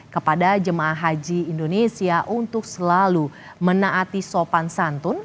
kepada jemaah haji indonesia untuk selalu menaati sopan santun